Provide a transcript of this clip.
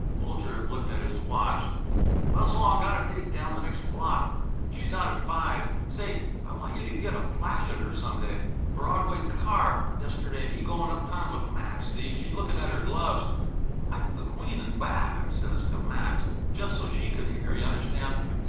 Bulger looked at his watch. "Well, s'long; got a date down in the next block. She's out at five. Say, I want you to get a flash at her some day. Broadway car, yesterday, me goin' uptown with Max, see? she lookin' at her gloves. 'Pipe the queen in black,' I says to Max, jes' so she could hear, y' understand.